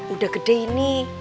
udah gede ini